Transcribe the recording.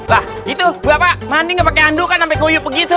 wah itu buah pak mandi gak pake andukan sampe kuyuk begitu